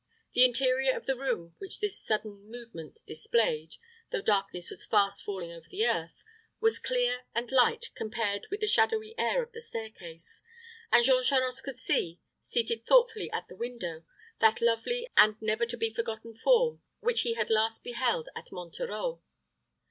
The interior of the room which this sudden movement displayed, though darkness was fast falling over the earth, was clear and light compared with the shadowy air of the stair case, and Jean Charost could see, seated thoughtfully at the window, that lovely and never to be forgotten form which he had last beheld at Monterreau.